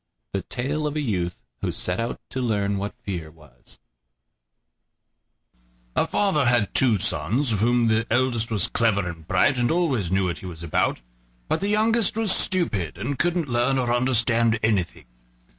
THE TALE OF A YOUTH WHO SET OUT TO LEARN WHAT FEAR WAS A father had two sons, of whom the eldest was clever and bright, and always knew what he was about; but the youngest was stupid, and couldn't learn or understand anything.